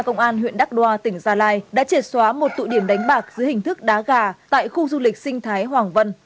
công an huyện đắk đoa tỉnh gia lai đã triệt xóa một tụ điểm đánh bạc dưới hình thức đá gà tại khu du lịch sinh thái hoàng vân